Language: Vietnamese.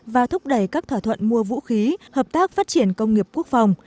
và thúc đẩy các thỏa thuận mua vũ khí hợp tác phát triển công nghiệp quốc phòng